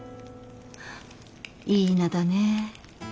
いい名だね。